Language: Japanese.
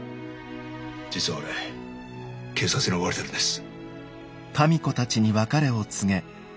実は俺警察に追われてるんです。